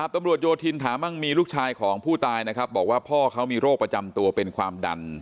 ตำรวจโยธินถามั่งมีลูกชายของผู้ตายนะครับบอกว่าพ่อเขามีโรคประจำตัวเป็นความดัน